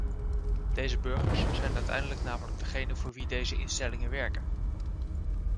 Deze burgers zijn uiteindelijk namelijk degenen voor wie deze instellingen werken.